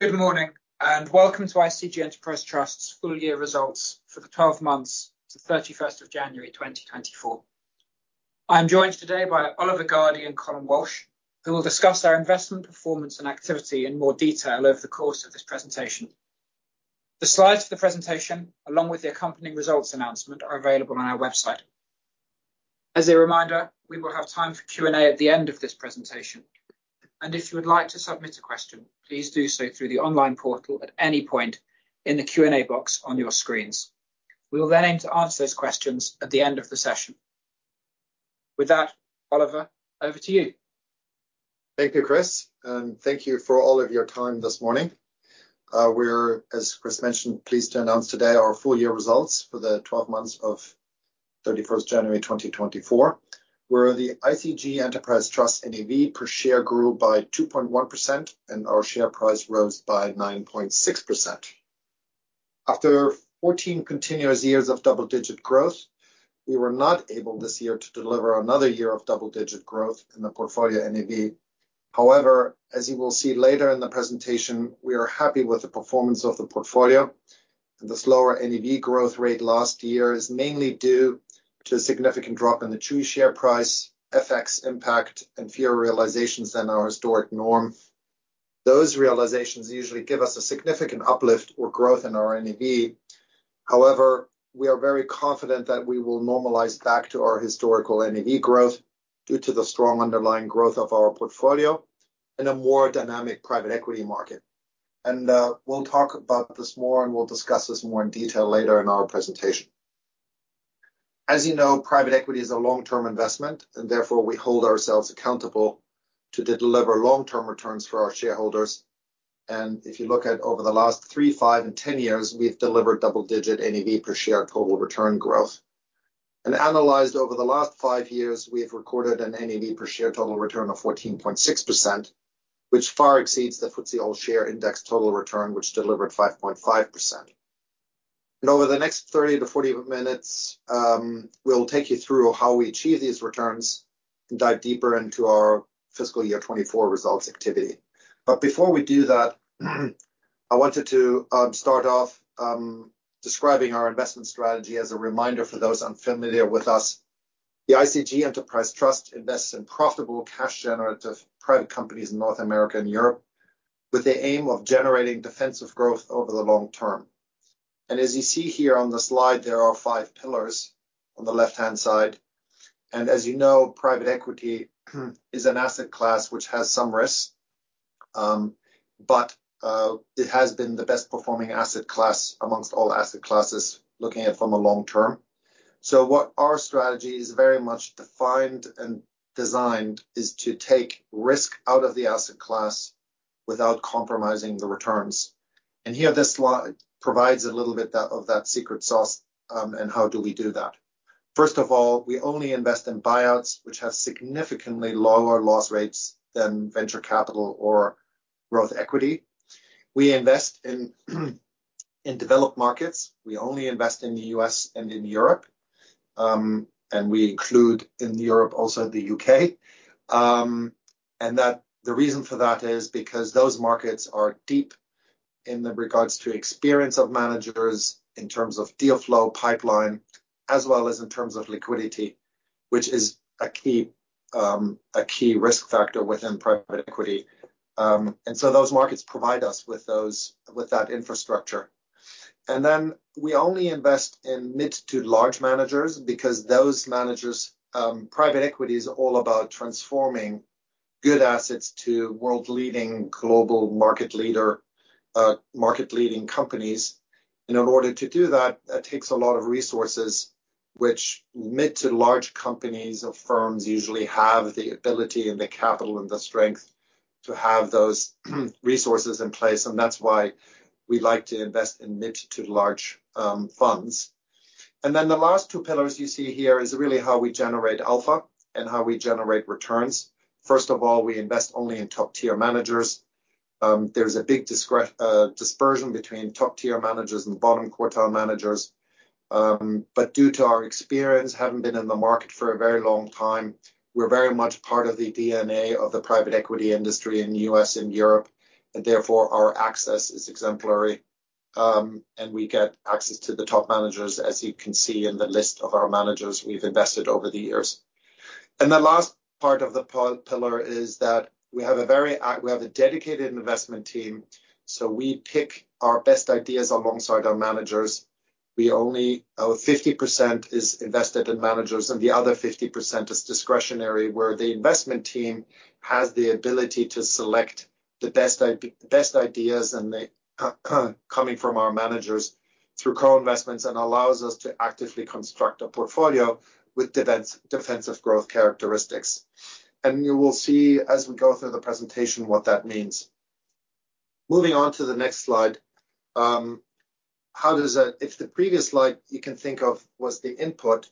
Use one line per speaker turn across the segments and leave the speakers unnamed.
Good morning and welcome to ICG Enterprise Trust's full year results for the 12 months to January 31st, 2024. I am joined today by Oliver Gardey and Colm Walsh, who will discuss our investment performance and activity in more detail over the course of this presentation. The slides for the presentation, along with the accompanying results announcement, are available on our website. As a reminder, we will have time for Q&A at the end of this presentation, and if you would like to submit a question, please do so through the online portal at any point in the Q&A box on your screens. We will then aim to answer those questions at the end of the session. With that, Oliver, over to you.
Thank you, Chris, and thank you for all of your time this morning. We're, as Chris mentioned, pleased to announce today our full year results for the 12 months ofJanuary 31st, 2024, where the ICG Enterprise Trust NAV per share grew by 2.1% and our share price rose by 9.6%. After 14 continuous years of double-digit growth, we were not able this year to deliver another year of double-digit growth in the portfolio NAV. However, as you will see later in the presentation, we are happy with the performance of the portfolio, and the slower NAV growth rate last year is mainly due to a significant drop in the Chewy share price, FX impact, and fewer realizations than our historic norm. Those realizations usually give us a significant uplift or growth in our NAV. However, we are very confident that we will normalize back to our historical NAV growth due to the strong underlying growth of our portfolio in a more dynamic private equity market. We'll talk about this more, and we'll discuss this more in detail later in our presentation. As you know, private equity is a long-term investment, and therefore we hold ourselves accountable to deliver long-term returns for our shareholders. If you look at over the last 3, 5, and 10 years, we've delivered double-digit NAV per share total return growth. Analyzed over the last 5 years, we have recorded a NAV per share total return of 14.6%, which far exceeds the FTSE All Share Index total return, which delivered 5.5%. Over the next 30 minutes-40 minutes, we'll take you through how we achieve these returns and dive deeper into our fiscal year 2024 results activity. Before we do that, I wanted to start off describing our investment strategy as a reminder for those unfamiliar with us. The ICG Enterprise Trust invests in profitable cash-generative private companies in North America and Europe with the aim of generating defensive growth over the long term. As you see here on the slide, there are five pillars on the left-hand side. As you know, private equity is an asset class which has some risks, but it has been the best-performing asset class among all asset classes looking at from a long term. What our strategy is very much defined and designed is to take risk out of the asset class without compromising the returns. Here this slide provides a little bit of that secret sauce and how do we do that. First of all, we only invest in buyouts which have significantly lower loss rates than venture capital or growth equity. We invest in developed markets. We only invest in the U.S. and in Europe, and we include in Europe also the U.K. And the reason for that is because those markets are deep in regards to experience of managers in terms of deal flow pipeline, as well as in terms of liquidity, which is a key risk factor within private equity. And so those markets provide us with that infrastructure. And then we only invest in mid to large managers because private equity is all about transforming good assets to world-leading global market-leading companies. And in order to do that, that takes a lot of resources, which mid to large companies or firms usually have the ability and the capital and the strength to have those resources in place. That's why we like to invest in mid to large funds. Then the last two pillars you see here is really how we generate alpha and how we generate returns. First of all, we invest only in top-tier managers. There's a big dispersion between top-tier managers and bottom-quartile managers. But due to our experience, having been in the market for a very long time, we're very much part of the DNA of the private equity industry in the U.S. and Europe, and therefore our access is exemplary. We get access to the top managers, as you can see in the list of our managers we've invested over the years. The last part of the pillar is that we have a dedicated investment team. So we pick our best ideas alongside our managers. We only- our 50% is invested in managers, and the other 50% is discretionary, where the investment team has the ability to select the best ideas coming from our managers through co-investments and allows us to actively construct a portfolio with defensive growth characteristics. You will see as we go through the presentation what that means. Moving on to the next slide, if the previous slide you can think of was the input,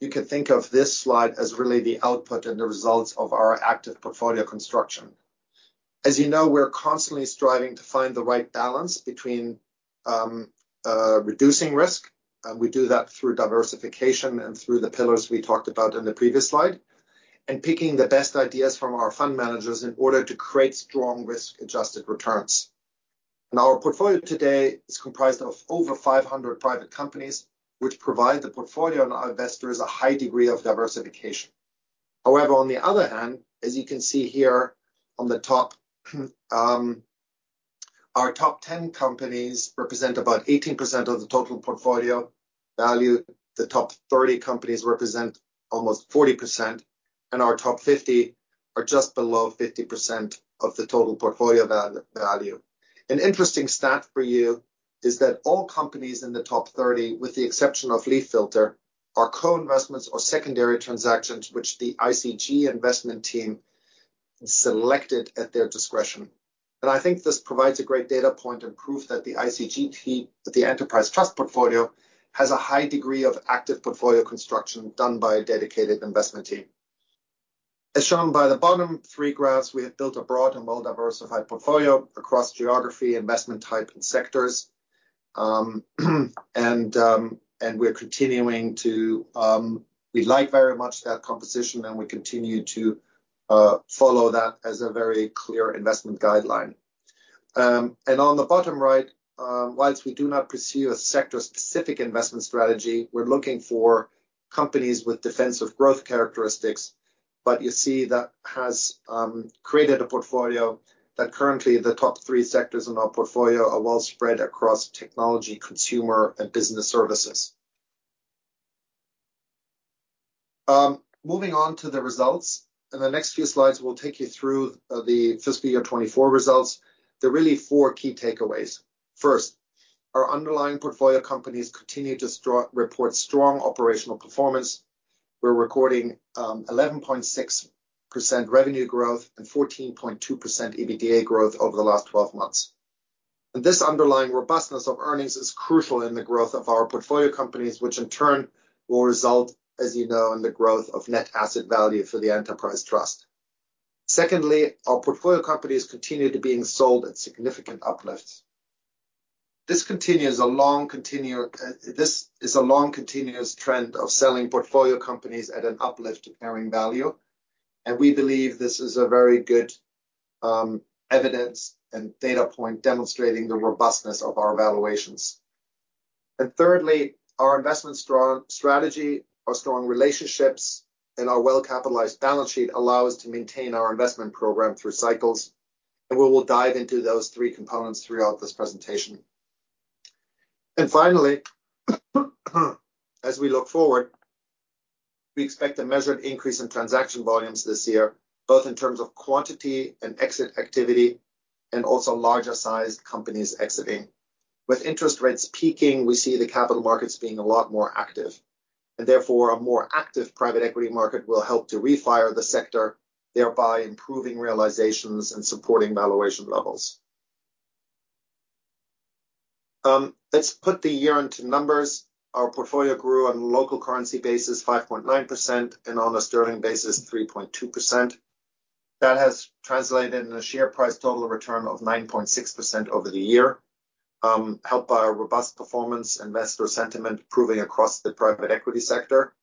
you can think of this slide as really the output and the results of our active portfolio construction. As you know, we're constantly striving to find the right balance between reducing risk, and we do that through diversification and through the pillars we talked about in the previous slide, and picking the best ideas from our fund managers in order to create strong risk-adjusted returns. Our portfolio today is comprised of over 500 private companies, which provide the portfolio and our investors a high degree of diversification. However, on the other hand, as you can see here on the top, our top 10 companies represent about 18% of the total portfolio value. The top 30 companies represent almost 40%, and our top 50 are just below 50% of the total portfolio value. An interesting stat for you is that all companies in the top 30, with the exception of LeafFilter, are co-investments or secondary transactions which the ICG investment team selected at their discretion. I think this provides a great data point and proof that the ICG Enterprise Trust portfolio has a high degree of active portfolio construction done by a dedicated investment team. As shown by the bottom three graphs, we have built a broad and well-diversified portfolio across geography, investment type, and sectors. We're continuing to like very much that composition, and we continue to follow that as a very clear investment guideline. On the bottom right, while we do not pursue a sector-specific investment strategy, we're looking for companies with defensive growth characteristics. But you see that has created a portfolio that currently the top three sectors in our portfolio are well spread across technology, consumer, and business services. Moving on to the results, in the next few slides, we'll take you through the fiscal year 2024 results. There are really four key takeaways. First, our underlying portfolio companies continue to report strong operational performance. We're recording 11.6% revenue growth and 14.2% EBITDA growth over the last 12 months. This underlying robustness of earnings is crucial in the growth of our portfolio companies, which in turn will result, as you know, in the growth of net asset value for the Enterprise Trust. Secondly, our portfolio companies continue to being sold at significant uplifts. This continues a long continuous trend of selling portfolio companies at an uplift to carrying value. And we believe this is a very good evidence and data point demonstrating the robustness of our valuations. And thirdly, our investment strategy, our strong relationships, and our well-capitalized balance sheet allow us to maintain our investment program through cycles. And we will dive into those three components throughout this presentation. And finally, as we look forward, we expect a measured increase in transaction volumes this year, both in terms of quantity and exit activity and also larger-sized companies exiting. With interest rates peaking, we see the capital markets being a lot more active. And therefore, a more active private equity market will help to refire the sector, thereby improving realizations and supporting valuation levels. Let's put the year into numbers. Our portfolio grew on a local currency basis 5.9% and on a sterling basis 3.2%. That has translated in a share price total return of 9.6% over the year, helped by a robust performance, investor sentiment proving across the private equity sector.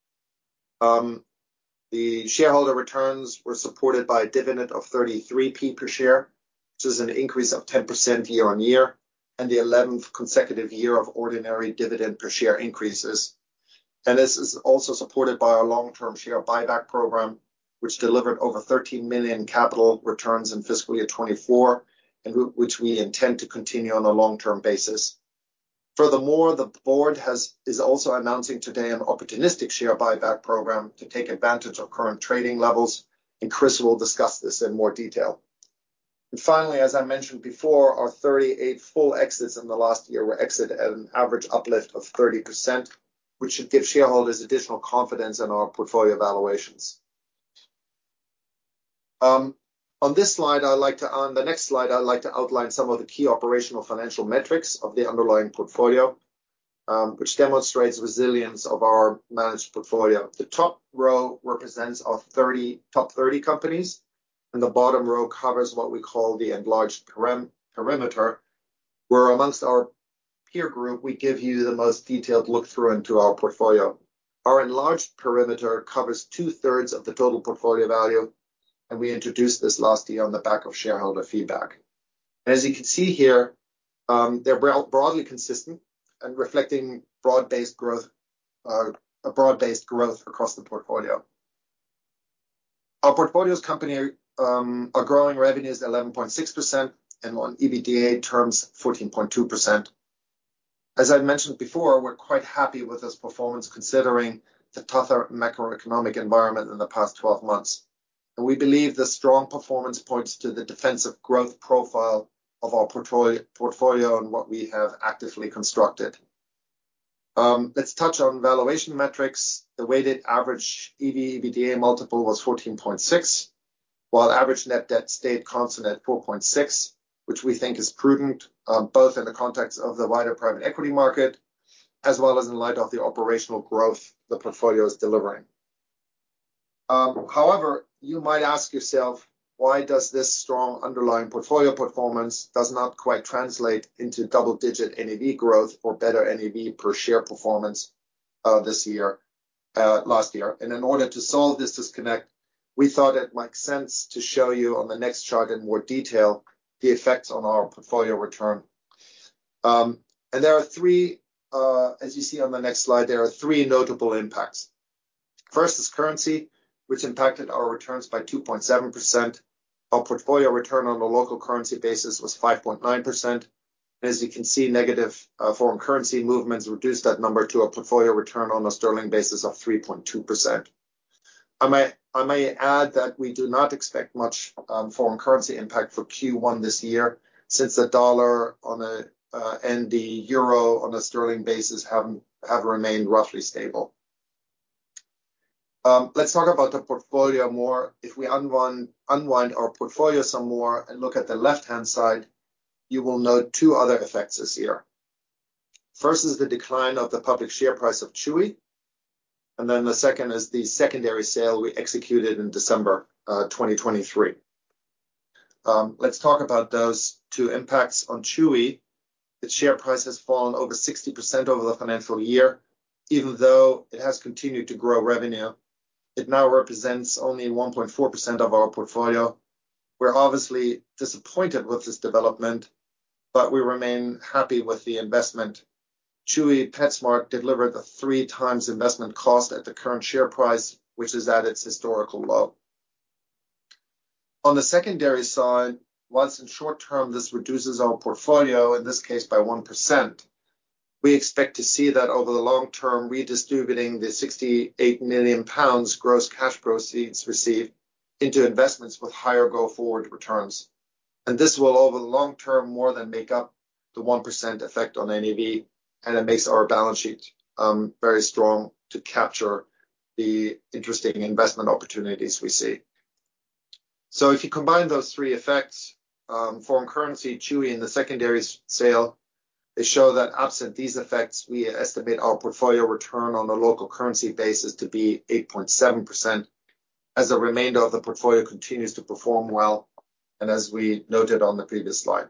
The shareholder returns were supported by a dividend of 0.33 per share, which is an increase of 10% year-on-year and the 11th consecutive year of ordinary dividend per share increases. This is also supported by our long-term share buyback program, which delivered over 13 million capital returns in fiscal year 2024 and which we intend to continue on a long-term basis. Furthermore, the board is also announcing today an opportunistic share buyback program to take advantage of current trading levels, and Chris will discuss this in more detail. And finally, as I mentioned before, our 38 full exits in the last year were exited at an average uplift of 30%, which should give shareholders additional confidence in our portfolio valuations. On the next slide, I'd like to outline some of the key operational financial metrics of the underlying portfolio, which demonstrates resilience of our managed portfolio. The top row represents our top 30 companies, and the bottom row covers what we call the enlarged perimeter, where amongst our peer group, we give you the most detailed look-through into our portfolio. Our enlarged perimeter covers 2/3 of the total portfolio value, and we introduced this last year on the back of shareholder feedback. As you can see here, they're broadly consistent and reflecting broad-based growth across the portfolio. Our portfolio's company are growing revenues 11.6% and on EBITDA terms 14.2%. As I mentioned before, we're quite happy with this performance considering the tougher macroeconomic environment in the past 12 months. And we believe this strong performance points to the defensive growth profile of our portfolio and what we have actively constructed. Let's touch on valuation metrics. The weighted average EV/EBITDA multiple was 14.6, while average net debt stayed constant at 4.6, which we think is prudent both in the context of the wider private equity market as well as in light of the operational growth the portfolio is delivering. However, you might ask yourself, why does this strong underlying portfolio performance not quite translate into double-digit NAV growth or better NAV per share performance last year? In order to solve this disconnect, we thought it makes sense to show you on the next chart in more detail the effects on our portfolio return. There are three, as you see on the next slide. There are three notable impacts. First is currency, which impacted our returns by 2.7%. Our portfolio return on a local currency basis was 5.9%. As you can see, negative foreign currency movements reduced that number to a portfolio return on a sterling basis of 3.2%. I may add that we do not expect much foreign currency impact for Q1 this year since the dollar and the euro on a sterling basis have remained roughly stable. Let's talk about the portfolio more. If we unwind our portfolio some more and look at the left-hand side, you will note two other effects this year. First is the decline of the public share price of Chewy, and then the second is the secondary sale we executed in December 2023. Let's talk about those two impacts on Chewy. Its share price has fallen over 60% over the financial year. Even though it has continued to grow revenue, it now represents only 1.4% of our portfolio. We're obviously disappointed with this development, but we remain happy with the investment. Chewy- PetSmart delivered a 3x investment cost at the current share price, which is at its historical low. On the secondary side, while in short term this reduces our portfolio, in this case by 1%, we expect to see that over the long term, redistributing the 68 million pounds gross cash proceeds received into investments with higher go-forward returns. And this will, over the long term, more than make up the 1% effect on NAV, and it makes our balance sheet very strong to capture the interesting investment opportunities we see. So if you combine those three effects, foreign currency, Chewy, and the secondary sale, they show that absent these effects, we estimate our portfolio return on a local currency basis to be 8.7% as the remainder of the portfolio continues to perform well and as we noted on the previous slide.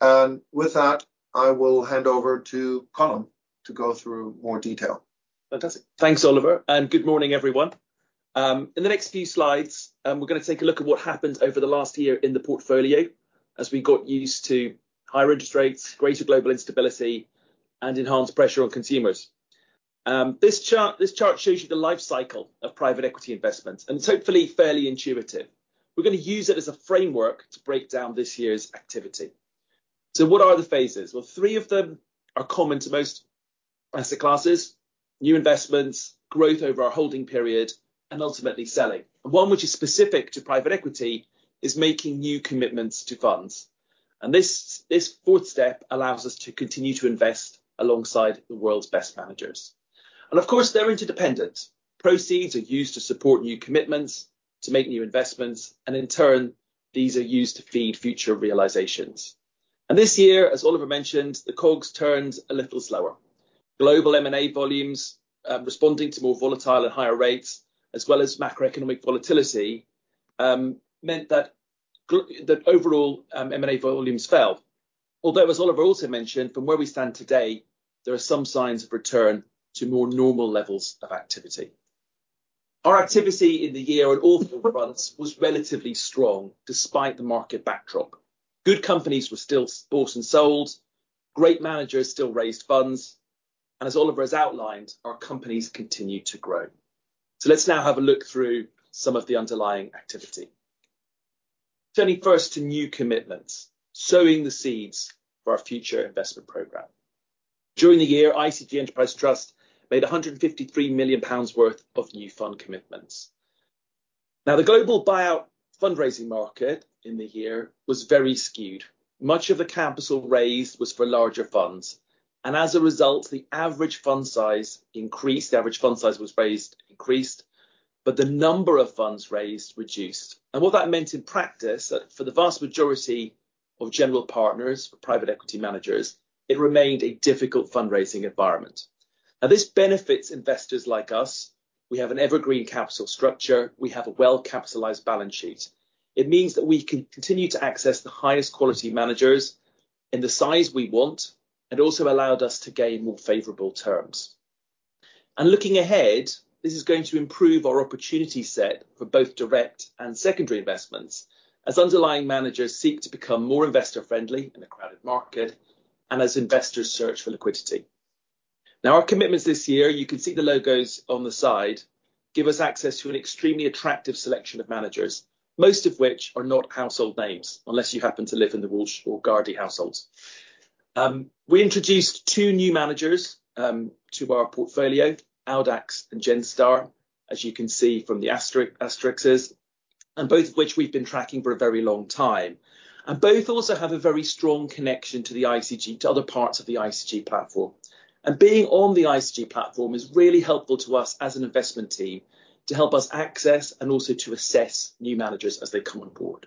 And with that, I will hand over to Colm to go through more detail.
Fantastic and thanks, Oliver. And good morning, everyone. In the next few slides, we're going to take a look at what happened over the last year in the portfolio as we got used to higher interest rates, greater global instability, and enhanced pressure on consumers. This chart shows you the life cycle of private equity investments, and it's hopefully fairly intuitive. We're going to use it as a framework to break down this year's activity. So what are the phases? Well, three of them are common to most asset classes, new investments, growth over our holding period, and ultimately selling. And one, which is specific to private equity, is making new commitments to funds. And this fourth step allows us to continue to invest alongside the world's best managers. And of course, they're interdependent. Proceeds are used to support new commitments, to make new investments, and in turn, these are used to feed future realizations. And this year, as Oliver mentioned, the cogs turned a little slower. Global M&A volumes responding to more volatile and higher rates, as well as macroeconomic volatility, meant that overall M&A volumes fell. Although, as Oliver also mentioned, from where we stand today, there are some signs of return to more normal levels of activity. Our activity in the year on all four fronts was relatively strong despite the market backdrop. Good companies were still bought and sold. Great managers still raised funds. And as Oliver has outlined, our companies continue to grow. So let's now have a look through some of the underlying activity. Turning first to new commitments, sowing the seeds for our future investment program. During the year, ICG Enterprise Trust made 153 million pounds worth of new fund commitments. Now, the global buyout fundraising market in the year was very skewed. Much of the capital raised was for larger funds. And as a result, the average fund size increased. The average fund size was raised, increased, but the number of funds raised reduced. What that meant in practice, for the vast majority of general partners, private equity managers, it remained a difficult fundraising environment. Now, this benefits investors like us, we have an evergreen capital structure. We have a well-capitalized balance sheet. It means that we can continue to access the highest quality managers in the size we want and also allowed us to gain more favorable terms. And looking ahead, this is going to improve our opportunity set for both direct and secondary investments as underlying managers seek to become more investor-friendly in a crowded market and as investors search for liquidity. Now, our commitments this year, you can see the logos on the side, give us access to an extremely attractive selection of managers, most of which are not household names unless you happen to live in the Walsh-Gardey households. We introduced two new managers to our portfolio, Audax and Genstar, as you can see from the asterisks, and both of which we've been tracking for a very long time. Both also have a very strong connection to the ICG, to other parts of the ICG platform. Being on the ICG platform is really helpful to us as an investment team to help us access and also to assess new managers as they come on board.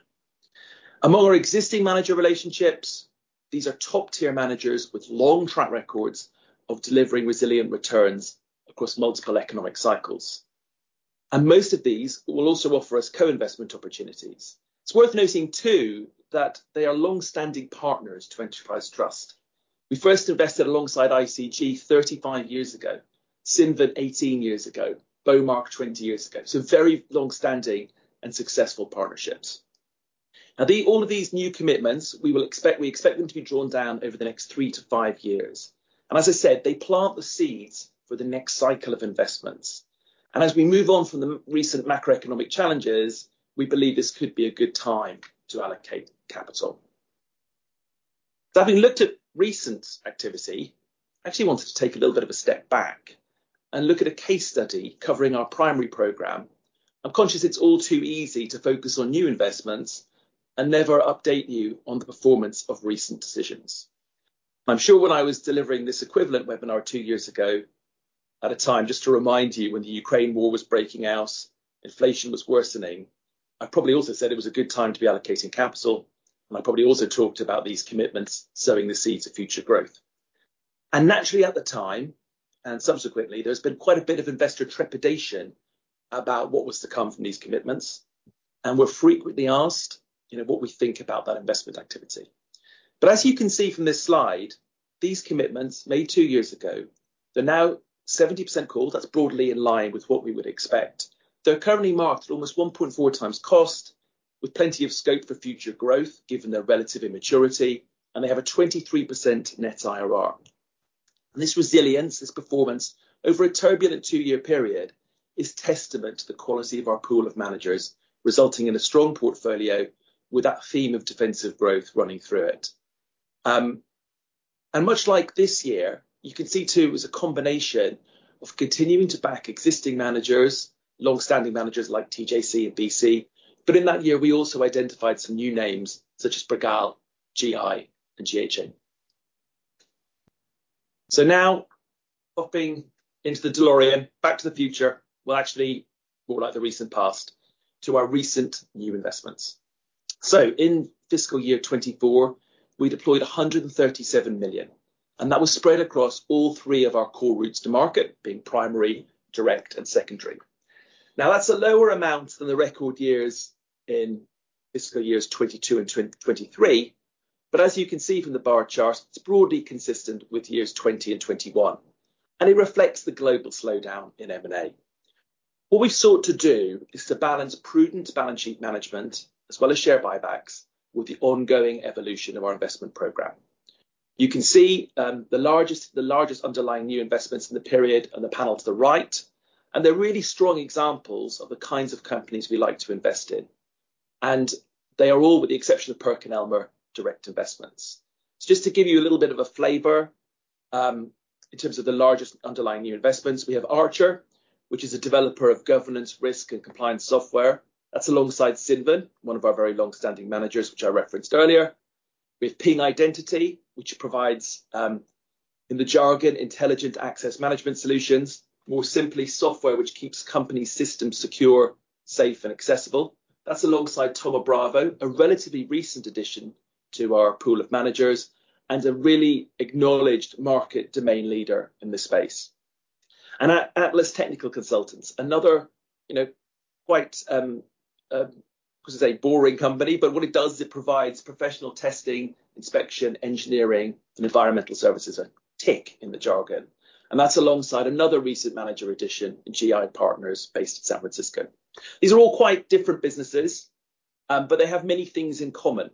Among our existing manager relationships, these are top-tier managers with long track records of delivering resilient returns across multiple economic cycles. Most of these will also offer us co-investment opportunities. It's worth noting, too, that they are longstanding partners to Enterprise Trust. We first invested alongside ICG 35 years ago, Cinven 18 years ago, Bowmark 20 years ago. So very longstanding and successful partnerships. Now, all of these new commitments, we expect them to be drawn down over the next 3 years-5 years. And as I said, they plant the seeds for the next cycle of investments. And as we move on from the recent macroeconomic challenges, we believe this could be a good time to allocate capital. So having looked at recent activity, I actually wanted to take a little bit of a step back and look at a case study covering our primary program. I'm conscious it's all too easy to focus on new investments and never update you on the performance of recent decisions. I'm sure when I was delivering this equivalent webinar 2 years ago, at a time, just to remind you, when the Ukraine war was breaking out, inflation was worsening, I probably also said it was a good time to be allocating capital. I probably also talked about these commitments sowing the seeds of future growth. Naturally, at the time and subsequently, there has been quite a bit of investor trepidation about what was to come from these commitments. We're frequently asked what we think about that investment activity. But as you can see from this slide, these commitments made two years ago, they're now 70% called. That's broadly in line with what we would expect. They're currently marked at almost 1.4x cost with plenty of scope for future growth given their relative immaturity, and they have a 23% net IRR. This resilience, this performance over a turbulent two-year period is testament to the quality of our pool of managers, resulting in a strong portfolio with that theme of defensive growth running through it. Much like this year, you can see, too, it was a combination of continuing to back existing managers, longstanding managers like TJC and BC. But in that year, we also identified some new names such as Bregal, GI, and GHO. So now hopping into the DeLorean, back to the future, well, actually, more like the recent past, to our recent new investments. So in fiscal year 2024, we deployed 137 million, and that was spread across all three of our core routes to market, being primary, direct, and secondary. Now, that's a lower amount than the record years in fiscal years 2022 and 2023. But as you can see from the bar chart, it's broadly consistent with years 2020 and 2021, and it reflects the global slowdown in M&A. What we've sought to do is to balance prudent balance sheet management as well as share buybacks with the ongoing evolution of our investment program. You can see the largest underlying new investments in the period on the panel to the right. They're really strong examples of the kinds of companies we like to invest in. They are all, with the exception of PerkinElmer, direct investments. Just to give you a little bit of a flavor in terms of the largest underlying new investments, we have Archer, which is a developer of governance, risk, and compliance software. That's alongside Cinven, one of our very longstanding managers, which I referenced earlier. We have Ping Identity, which provides, in the jargon, intelligent access management solutions, more simply, software which keeps companies' systems secure, safe, and accessible. That's alongside Thoma Bravo, a relatively recent addition to our pool of managers and a really acknowledged market domain leader in this space. Atlas Technical Consultants, another quite, I want to say, boring company, but what it does is it provides professional testing, inspection, engineering, and environmental services, a TIC in the jargon. That's alongside another recent manager addition in GI Partners based in San Francisco. These are all quite different businesses, but they have many things in common.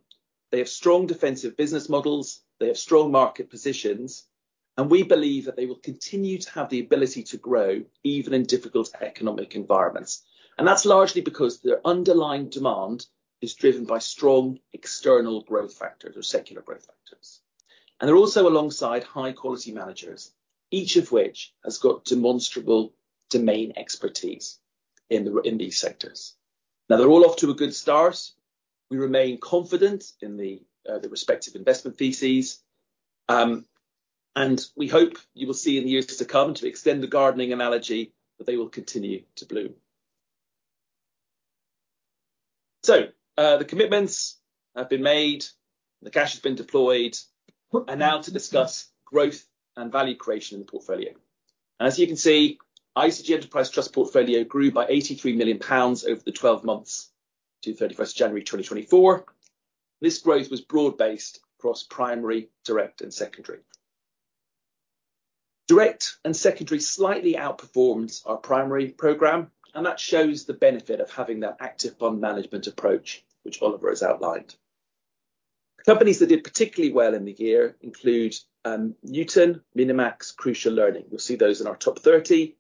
They have strong defensive business models. They have strong market positions. We believe that they will continue to have the ability to grow even in difficult economic environments. That's largely because their underlying demand is driven by strong external growth factors or secular growth factors. They're also alongside high-quality managers, each of which has got demonstrable domain expertise in these sectors. Now, they're all off to a good start. We remain confident in the respective investment theses. We hope you will see in the years to come to extend the gardening analogy that they will continue to bloom. The commitments have been made. The cash has been deployed. Now to discuss growth and value creation in the portfolio. As you can see, ICG Enterprise Trust portfolio grew by 83 million pounds over the 12 months to January 31st, 2024, this growth was broad-based across primary, direct, and secondary. Direct and secondary slightly outperformed our primary program, and that shows the benefit of having that active fund management approach, which Oliver has outlined. Companies that did particularly well in the year include Newton, Minimax, and Crucial Learning. You'll see those in our top 30.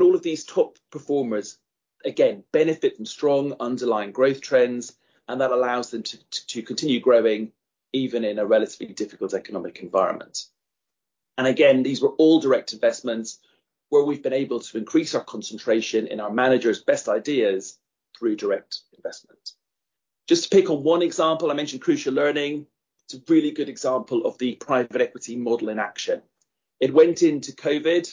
All of these top performers, again, benefit from strong underlying growth trends, and that allows them to continue growing even in a relatively difficult economic environment. Again, these were all direct investments where we've been able to increase our concentration in our managers' best ideas through direct investments. Just to pick on one example, I mentioned Crucial Learning. It's a really good example of the private equity model in action. It went into COVID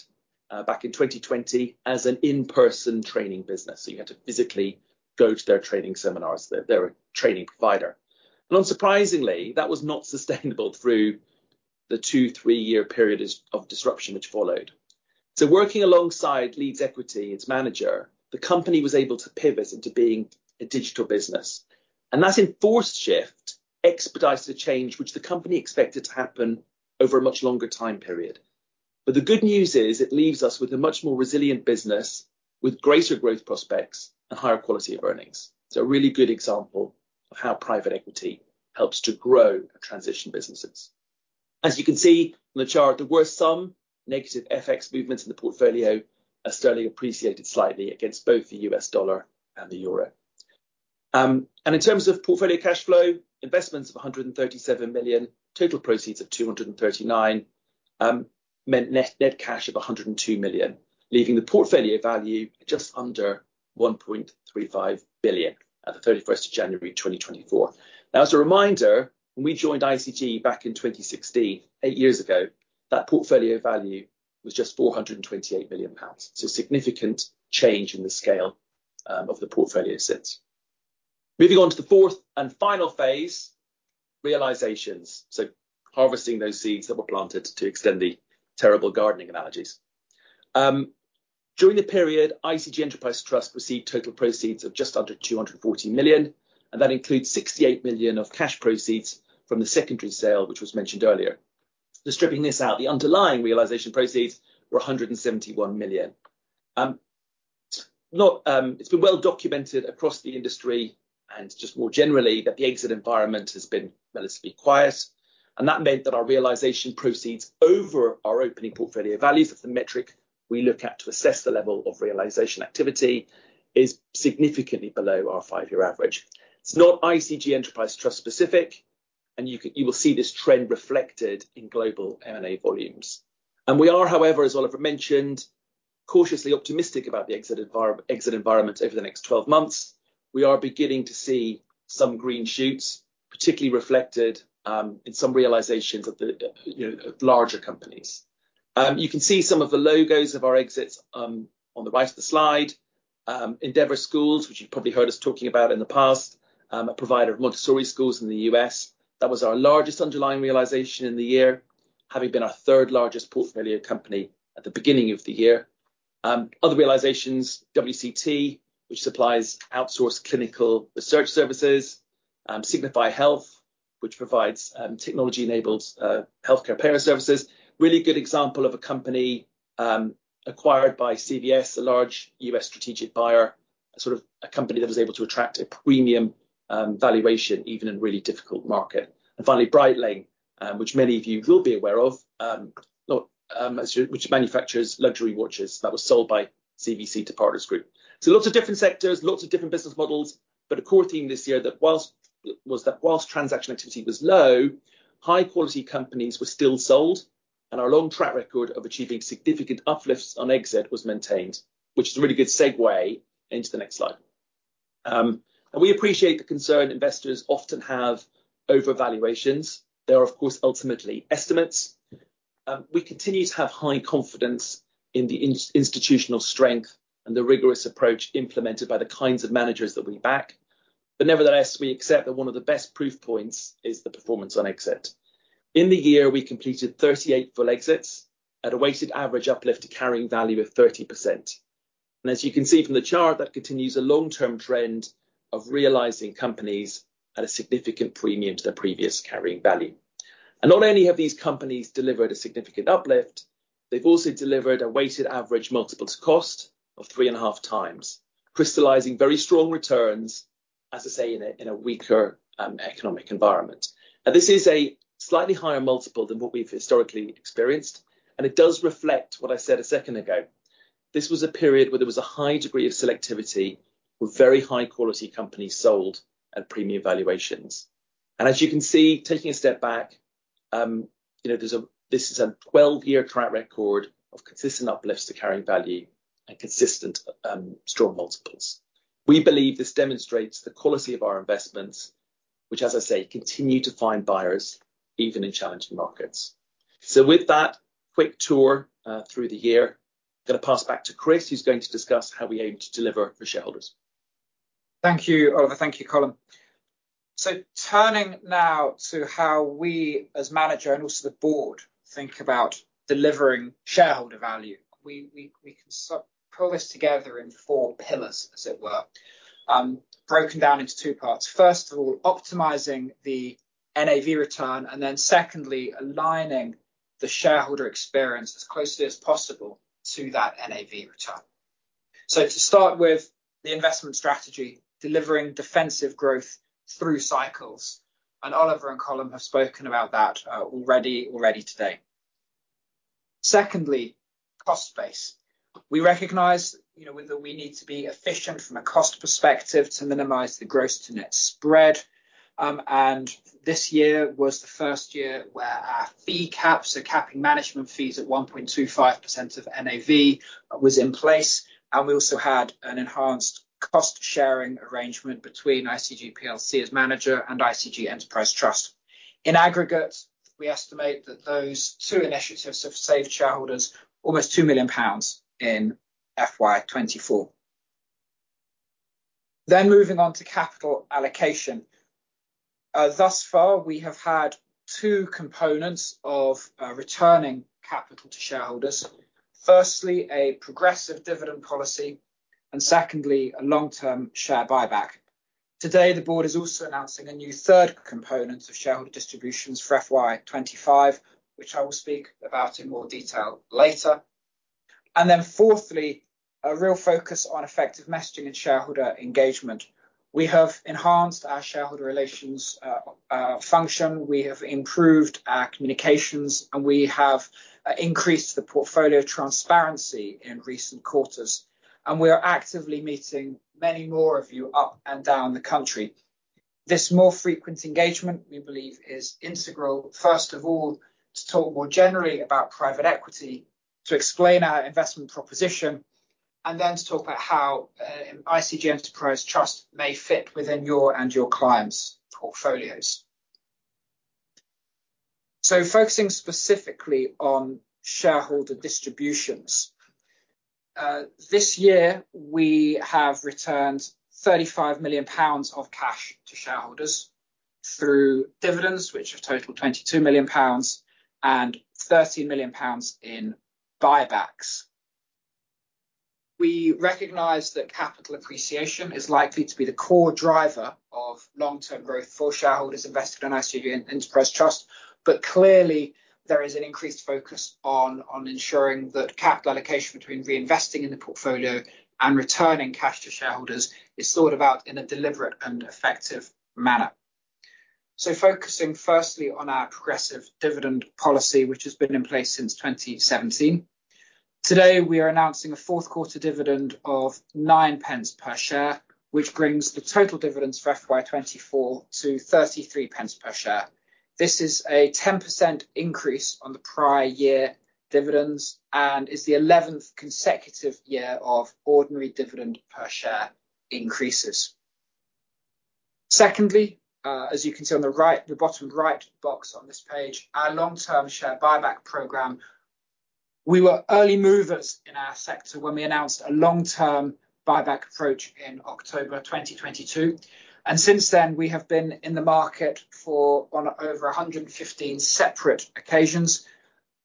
back in 2020 as an in-person training business. So you had to physically go to their training seminars. They're a training provider. And unsurprisingly, that was not sustainable through the 2 years-3 years period of disruption which followed. So working alongside Leeds Equity, its manager, the company was able to pivot into being a digital business. And that enforced shift, expedited change, which the company expected to happen over a much longer time period. But the good news is it leaves us with a much more resilient business with greater growth prospects and higher quality of earnings. So a really good example of how private equity helps to grow transition businesses. As you can see on the chart, the worst sum negative FX movements in the portfolio are sterling appreciated slightly against both the U.S. dollar and the euro. And in terms of portfolio cash flow, investments of 137 million, total proceeds of 239 million, meant net cash of 102 million, leaving the portfolio value just under 1.35 billion at the January 31st, 2024. Now, as a reminder, when we joined ICG back in 2016, eight years ago, that portfolio value was just 428 million pounds. So significant change in the scale of the portfolio since. Moving on to the fourth and final phase, realisations. So harvesting those seeds that were planted to extend the terrible gardening analogies. During the period, ICG Enterprise Trust received total proceeds of just under 240 million. That includes 68 million of cash proceeds from the secondary sale, which was mentioned earlier. Stripping this out, the underlying realization proceeds were 171 million. It's been well documented across the industry and just more generally that the exit environment has been relatively quiet. That meant that our realization proceeds over our opening portfolio values, that's the metric we look at to assess the level of realization activity, is significantly below our five-year average. It's not ICG Enterprise Trust specific. You will see this trend reflected in global M&A volumes. We are, however, as Oliver mentioned, cautiously optimistic about the exit environment over the next 12 months. We are beginning to see some green shoots, particularly reflected in some realizations of larger companies. You can see some of the logos of our exits on the right of the slide. Endeavor Schools, which you've probably heard us talking about in the past, a provider of Montessori schools in the U.S.. That was our largest underlying realization in the year, having been our third largest portfolio company at the beginning of the year. Other realizations, WCG, which supplies outsourced clinical research services. Signify Health, which provides technology-enabled healthcare payer services. Really good example of a company acquired by CVS, a large U.S. strategic buyer, sort of a company that was able to attract a premium valuation even in a really difficult market. And finally, Breitling, which many of you will be aware of, which manufactures luxury watches, that was sold by CVC to Partners Group. Lots of different sectors, lots of different business models. A core theme this year that was that whilst transaction activity was low, high-quality companies were still sold. Our long track record of achieving significant uplifts on exit was maintained, which is a really good segue into the next slide. We appreciate the concern investors often have over valuations. They are, of course, ultimately estimates. We continue to have high confidence in the institutional strength and the rigorous approach implemented by the kinds of managers that we back. But nevertheless, we accept that one of the best proof points is the performance on exit. In the year, we completed 38 full exits at a weighted average uplift to carrying value of 30%. As you can see from the chart, that continues a long-term trend of realizing companies at a significant premium to their previous carrying value. And not only have these companies delivered a significant uplift, they've also delivered a weighted average multiple to cost of 3.5x, crystallising very strong returns, as I say, in a weaker economic environment. Now, this is a slightly higher multiple than what we've historically experienced. And it does reflect what I said a second ago. This was a period where there was a high degree of selectivity with very high-quality companies sold at premium valuations. And as you can see, taking a step back, this is a 12-year track record of consistent uplifts to carrying value and consistent strong multiples. We believe this demonstrates the quality of our investments, which, as I say, continue to find buyers even in challenging markets. So with that quick tour through the year, I'm going to pass back to Chris, who's going to discuss how we aim to deliver for shareholders.
Thank you, Oliver. Thank you, Colm. So turning now to how we, as manager and also the board, think about delivering shareholder value. We can pull this together in four pillars, as it were, broken down into two parts. First of all, optimizing the NAV return. And then secondly, aligning the shareholder experience as closely as possible to that NAV return. So to start with the investment strategy, delivering defensive growth through cycles. And Oliver and Colm have spoken about that already today. Secondly, cost base. We recognize that we need to be efficient from a cost perspective to minimize the gross-to-net spread. This year was the first year where our fee caps, so capping management fees at 1.25% of NAV, was in place. We also had an enhanced cost-sharing arrangement between ICG PLC as manager and ICG Enterprise Trust. In aggregate, we estimate that those two initiatives have saved shareholders almost 2 million pounds in FY 2024. Moving on to capital allocation. Thus far, we have had two components of returning capital to shareholders. Firstly, a progressive dividend policy. Secondly, a long-term share buyback. Today, the board is also announcing a new third component of shareholder distributions for FY 2025, which I will speak about in more detail later. Fourthly, a real focus on effective messaging and shareholder engagement. We have enhanced our shareholder relations function. We have improved our communications. We have increased the portfolio transparency in recent quarters. We are actively meeting many more of you up and down the country. This more frequent engagement, we believe, is integral, first of all, to talk more generally about private equity, to explain our investment proposition, and then to talk about how ICG Enterprise Trust may fit within your and your clients' portfolios. Focusing specifically on shareholder distributions. This year, we have returned 35 million pounds of cash to shareholders through dividends, which have totaled 22 million pounds and 13 million pounds in buybacks. We recognize that capital appreciation is likely to be the core driver of long-term growth for shareholders invested in ICG Enterprise Trust. But clearly, there is an increased focus on ensuring that capital allocation between reinvesting in the portfolio and returning cash to shareholders is thought about in a deliberate and effective manner. Focusing firstly on our progressive dividend policy, which has been in place since 2017. Today, we are announcing a fourth-quarter dividend of 0.09 per share, which brings the total dividends for FY 2024 to 0.33 per share. This is a 10% increase on the prior year dividends and is the 11th consecutive year of ordinary dividend per share increases. Secondly, as you can see on the bottom right box on this page, our long-term share buyback program. We were early movers in our sector when we announced a long-term buyback approach in October 2022. Since then, we have been in the market for over 115 separate occasions,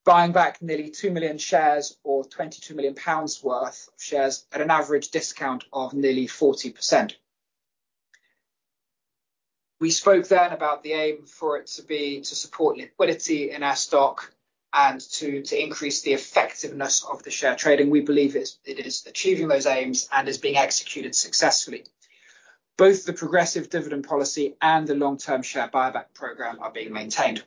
buying back nearly 2 million shares or 22 million pounds worth of shares at an average discount of nearly 40%. We spoke then about the aim for it to be to support liquidity in our stock and to increase the effectiveness of the share trading. We believe it is achieving those aims and is being executed successfully. Both the progressive dividend policy and the long-term share buyback program are being maintained.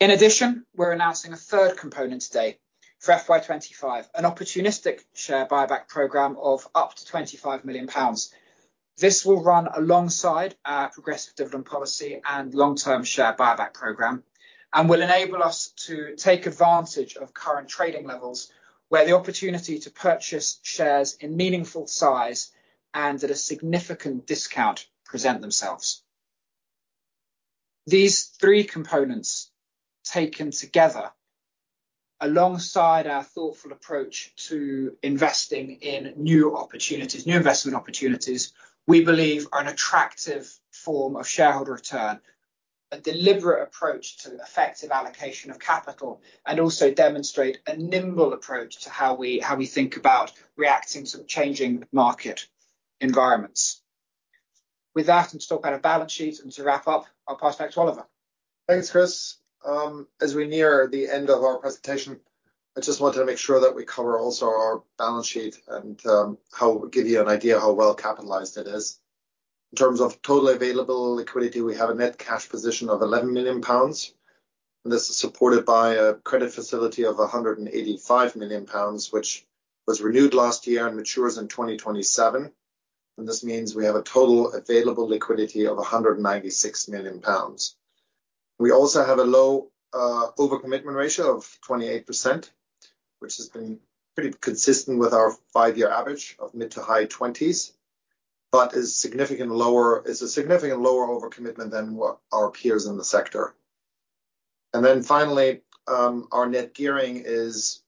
In addition, we're announcing a third component today for FY 2025, an opportunistic share buyback program of up to 25 million pounds. This will run alongside our progressive dividend policy and long-term share buyback program and will enable us to take advantage of current trading levels where the opportunity to purchase shares in meaningful size and at a significant discount present themselves. These three components taken together alongside our thoughtful approach to investing in new investment opportunities, we believe, are an attractive form of shareholder return, a deliberate approach to effective allocation of capital, and also demonstrate a nimble approach to how we think about reacting to changing market environments. With that, I'm going to talk about our balance sheet, and to wrap up, I'll pass back to Oliver.
Thanks, Chris. As we near the end of our presentation, I just wanted to make sure that we cover also our balance sheet and give you an idea of how well capitalized it is. In terms of totally available liquidity, we have a net cash position of 11 million pounds. This is supported by a credit facility of 185 million pounds, which was renewed last year and matures in 2027. This means we have a total available liquidity of 196 million pounds. We also have a low overcommitment ratio of 28%, which has been pretty consistent with our five-year average of mid to high 20s, but is a significant lower overcommitment than our peers in the sector. Then finally, our net gearing is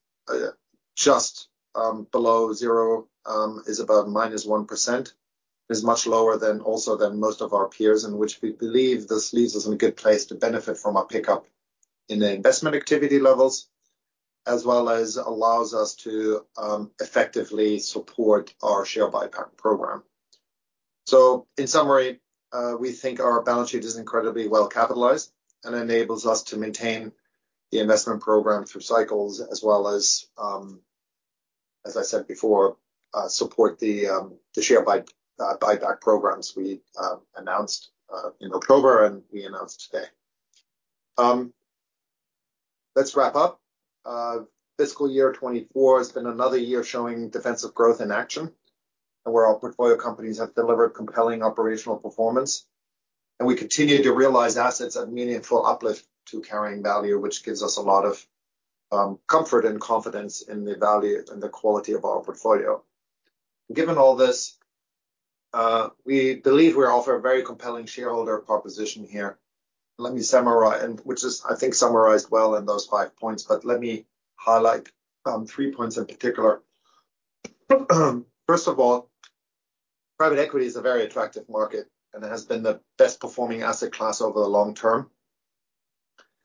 just below zero, is about -1%. It's much lower also than most of our peers, in which we believe this leaves us in a good place to benefit from our pickup in the investment activity levels, as well as allows us to effectively support our share buyback program. So in summary, we think our balance sheet is incredibly well capitalized and enables us to maintain the investment program through cycles, as well as, as I said before, support the share buyback programs we announced in October and we announced today. Let's wrap up. Fiscal year 2024 has been another year showing defensive growth in action, where our portfolio companies have delivered compelling operational performance. And we continue to realize assets at a meaningful uplift to carrying value, which gives us a lot of comfort and confidence in the quality of our portfolio. Given all this, we believe we offer a very compelling shareholder proposition here. Let me summarize, which I think summarized well in those five points. But let me highlight three points in particular. First of all, private equity is a very attractive market, and it has been the best performing asset class over the long term.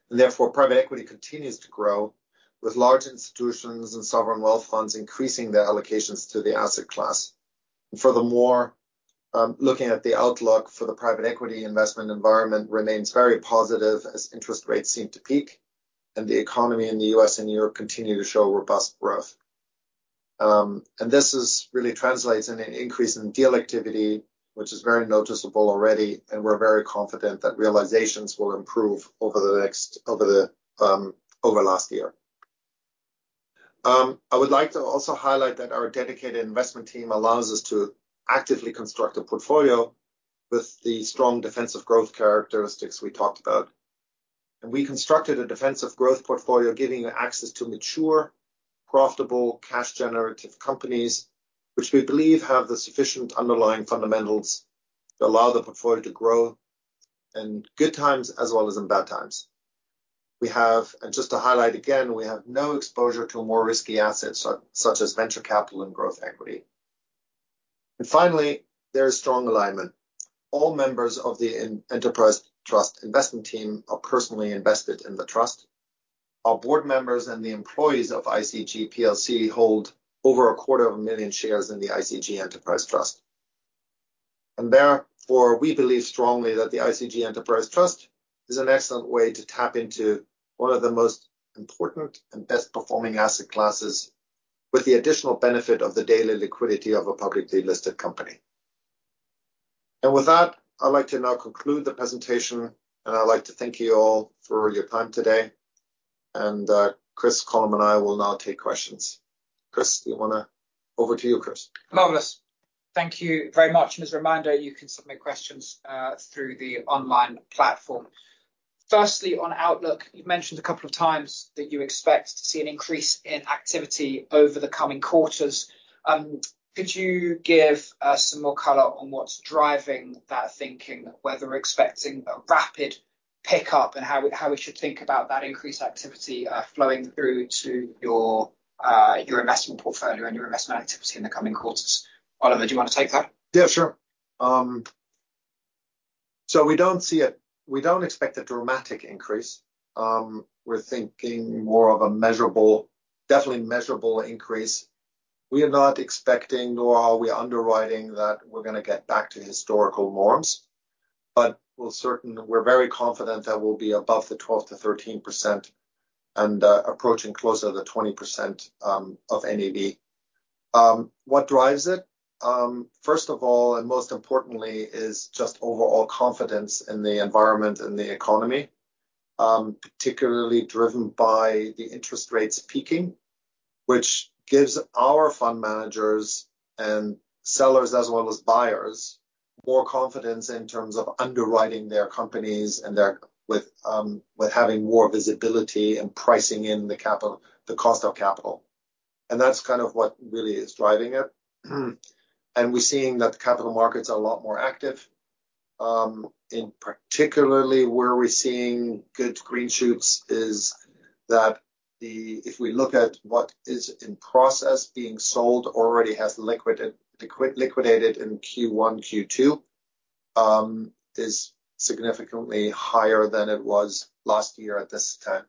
And therefore, private equity continues to grow, with large institutions and sovereign wealth funds increasing their allocations to the asset class. And furthermore, looking at the outlook for the private equity investment environment remains very positive as interest rates seem to peak and the economy in the U.S. and Europe continue to show robust growth. And this really translates in an increase in deal activity, which is very noticeable already and we're very confident that realizations will improve over the last year. I would like to also highlight that our dedicated investment team allows us to actively construct a portfolio with the strong defensive growth characteristics we talked about. We constructed a defensive growth portfolio giving you access to mature, profitable, cash-generative companies, which we believe have the sufficient underlying fundamentals to allow the portfolio to grow in good times as well as in bad times. Just to highlight again, we have no exposure to more risky assets such as venture capital and growth equity. Finally, there is strong alignment. All members of the Enterprise Trust investment team are personally invested in the trust. Our board members and the employees of ICG PLC hold over 250,000 shares in the ICG Enterprise Trust. And therefore, we believe strongly that the ICG Enterprise Trust is an excellent way to tap into one of the most important and best performing asset classes with the additional benefit of the daily liquidity of a publicly listed company. And with that, I'd like to now conclude the presentation. And I'd like to thank you all for your time today. And Chris, Colm, and I will now take questions. Chris, do you want to over to you, Chris?
Lovely. Thank you very much. As a reminder, you can submit questions through the online platform. Firstly, on Outlook, you've mentioned a couple of times that you expect to see an increase in activity over the coming quarters. Could you give some more color on what's driving that thinking, whether expecting a rapid pickup and how we should think about that increased activity flowing through to your investment portfolio and your investment activity in the coming quarters? Oliver, do you want to take that?
Yeah, sure. So we don't see it. We don't expect a dramatic increase. We're thinking more of a definitely measurable increase. We are not expecting, nor are we underwriting, that we're going to get back to historical norms. But we're very confident that we'll be above the 12%-13% and approaching closer to the 20% of NAV. What drives it? First of all, and most importantly, is just overall confidence in the environment and the economy, particularly driven by the interest rates peaking, which gives our fund managers and sellers as well as buyers more confidence in terms of underwriting their companies with having more visibility and pricing in the cost of capital. And that's kind of what really is driving it. And we're seeing that the capital markets are a lot more active. Particularly, where we're seeing good green shoots is that if we look at what is in process being sold, already has liquidated in Q1, Q2, is significantly higher than it was last year at this time.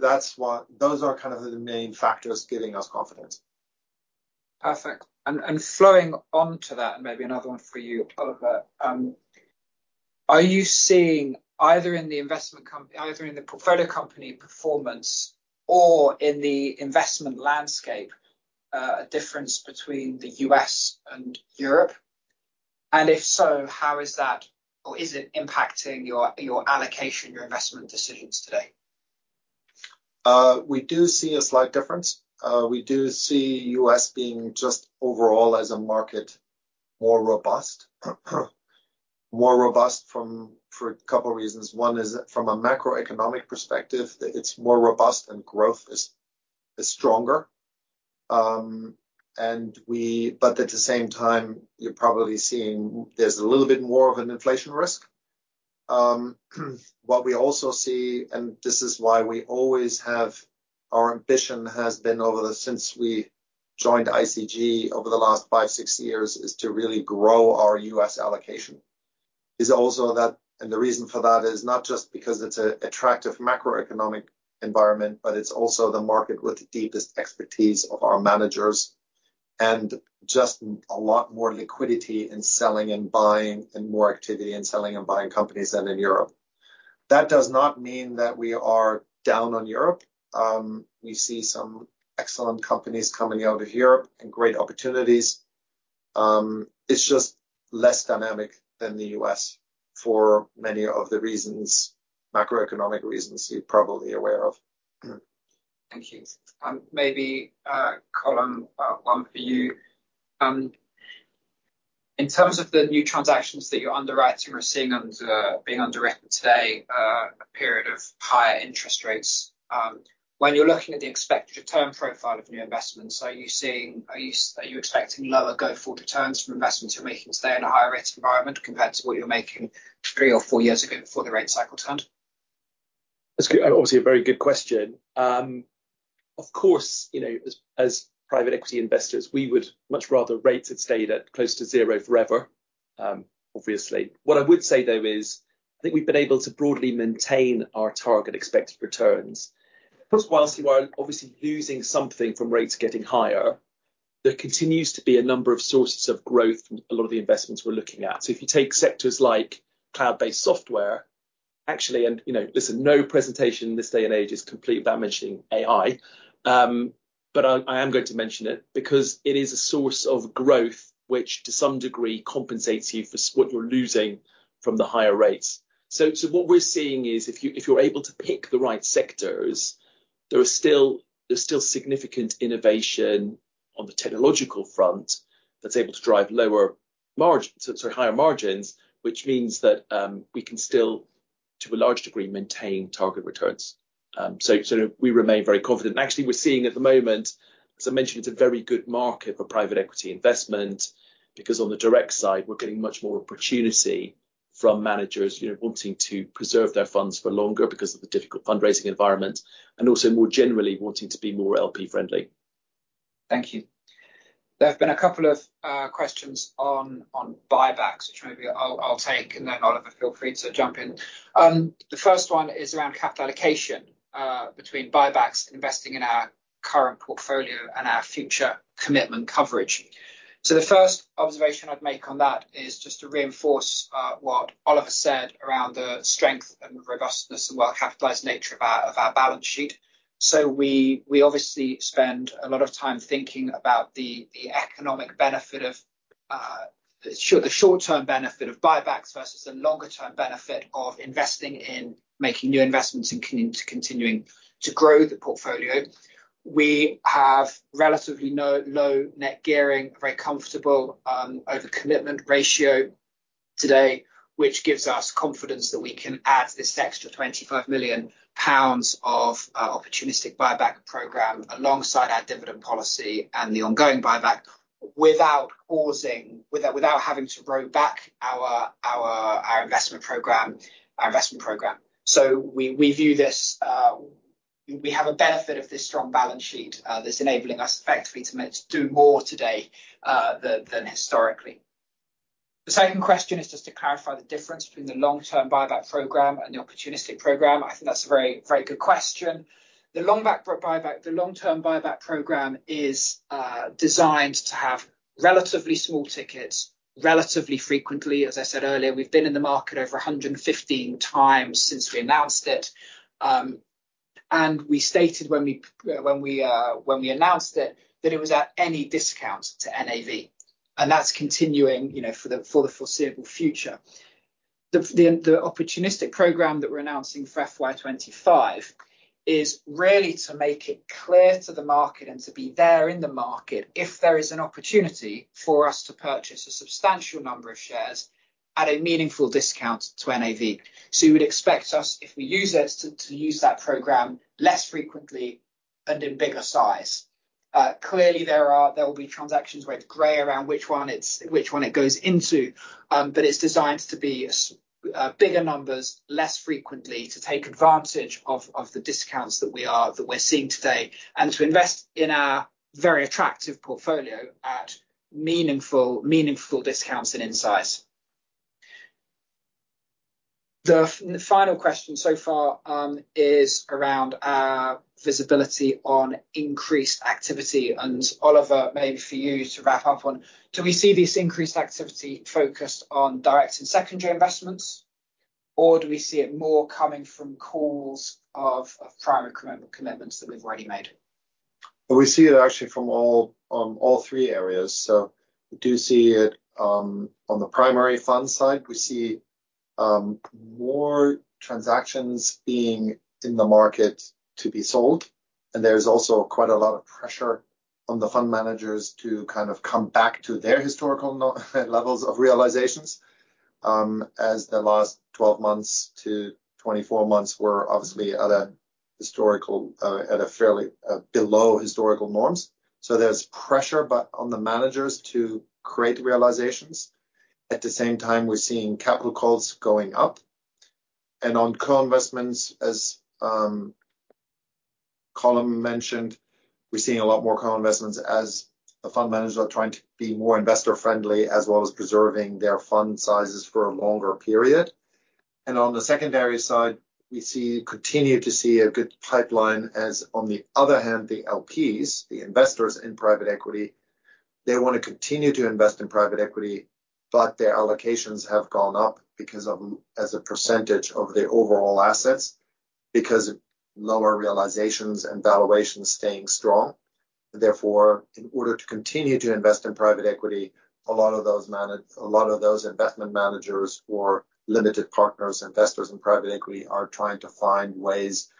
Those are kind of the main factors giving us confidence.
Perfect. And flowing onto that, and maybe another one for you, Oliver, are you seeing either in the portfolio company performance or in the investment landscape a difference between the U.S. and Europe? And if so, how is that or is it impacting your allocation, your investment decisions today?
We do see a slight difference. We do see U.S. being just overall as a market more robust, for a couple of reasons. One is from a macroeconomic perspective, it's more robust and growth is stronger. But at the same time, you're probably seeing there's a little bit more of an inflation risk. What we also see, and this is why our ambition has been since we joined ICG over the last five, six years, is to really grow our U.S. allocation. And the reason for that is not just because it's an attractive macroeconomic environment, but it's also the market with the deepest expertise of our managers and just a lot more liquidity in selling and buying and more activity in selling and buying companies than in Europe. That does not mean that we are down on Europe. We see some excellent companies coming out of Europe and great opportunities. It's just less dynamic than the U.S. for many of the macroeconomic reasons you're probably aware of.
Thank you. Maybe Colm, one for you. In terms of the new transactions that you're underwriting or seeing being underwritten today, a period of higher interest rates, when you're looking at the expected return profile of new investments, are you expecting lower go-forward returns from investments you're making today in a higher rate environment compared to what you were making 3 years or 4 years ago before the rate cycle turned?
That's obviously a very good question. Of course, as private equity investors, we would much rather rates had stayed close to zero forever, obviously. What I would say, though, is I think we've been able to broadly maintain our target expected returns. Of course, while we are obviously losing something from rates getting higher, there continues to be a number of sources of growth from a lot of the investments we're looking at. So if you take sectors like cloud-based software, actually, and listen, no presentation in this day and age is complete without mentioning AI. But I am going to mention it because it is a source of growth which, to some degree, compensates you for what you're losing from the higher rates. So what we're seeing is if you're able to pick the right sectors, there's still significant innovation on the technological front that's able to drive higher margins, which means that we can still, to a large degree, maintain target returns. So we remain very confident. And actually, we're seeing at the moment, as I mentioned, it's a very good market for private equity investment because on the direct side, we're getting much more opportunity from managers wanting to preserve their funds for longer because of the difficult fundraising environment and also more generally wanting to be more LP-friendly.
Thank you. There have been a couple of questions on buybacks, which maybe I'll take. And then, Oliver, feel free to jump in. The first one is around capital allocation between buybacks and investing in our current portfolio and our future commitment coverage. So the first observation I'd make on that is just to reinforce what Oliver said around the strength and robustness and well-capitalized nature of our balance sheet. So we obviously spend a lot of time thinking about the economic benefit of the short-term benefit of buybacks versus the longer-term benefit of investing in making new investments and continuing to grow the portfolio. We have relatively low net gearing, a very comfortable overcommitment ratio today, which gives us confidence that we can add this extra 25 million pounds of opportunistic buyback program alongside our dividend policy and the ongoing buyback without having to roll back our investment program. So we view this we have a benefit of this strong balance sheet that's enabling us effectively to do more today than historically. The second question is just to clarify the difference between the long-term buyback program and the opportunistic program. I think that's a very good question. The long-term buyback program is designed to have relatively small tickets relatively frequently. As I said earlier, we've been in the market over 115x since we announced it. And we stated when we announced it that it was at any discount to NAV. And that's continuing for the foreseeable future. The opportunistic program that we're announcing for FY 2025 is really to make it clear to the market and to be there in the market if there is an opportunity for us to purchase a substantial number of shares at a meaningful discount to NAV. You would expect us, if we use it, to use that program less frequently and in bigger size. Clearly, there will be transactions where it's grey around which one it goes into. It's designed to be bigger numbers, less frequently, to take advantage of the discounts that we're seeing today and to invest in our very attractive portfolio at meaningful discounts and in size. The final question so far is around our visibility on increased activity. Oliver, maybe for you to wrap up on, do we see this increased activity focused on direct and secondary investments? Or do we see it more coming from calls of primary commitments that we've already made?
We see it actually from all three areas. So we do see it on the primary fund side. We see more transactions being in the market to be sold. And there's also quite a lot of pressure on the fund managers to kind of come back to their historical levels of realizations as the last 12 months-24 months were obviously at a fairly below historical norms. So there's pressure on the managers to create realizations. At the same time, we're seeing capital calls going up. And on co-investments, as Colm mentioned, we're seeing a lot more co-investments as the fund managers are trying to be more investor-friendly as well as preserving their fund sizes for a longer period. And on the secondary side, we continue to see a good pipeline. Also, on the other hand, the LPs, the investors in private equity, they want to continue to invest in private equity, but their allocations have gone up as a percentage of their overall assets because of lower realizations and valuations staying strong. Therefore, in order to continue to invest in private equity, a lot of those investment managers or limited partners, investors in private equity, are trying to find ways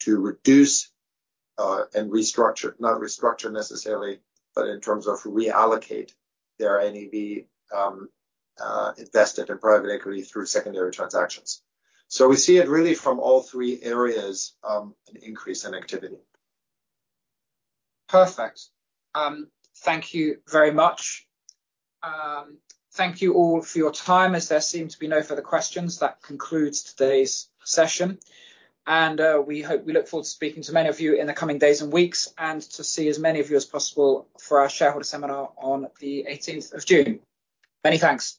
to reduce and restructure not restructure necessarily, but in terms of reallocate their NAV invested in private equity through secondary transactions. So we see it really from all three areas, an increase in activity.
Perfect. Thank you very much. Thank you all for your time. As there seem to be no further questions, that concludes today's session. We look forward to speaking to many of you in the coming days and weeks and to see as many of you as possible for our shareholder seminar on the 18th of June. Many thanks.